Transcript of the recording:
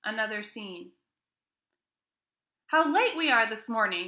ANOTHER SCENE "How late we are this morning!"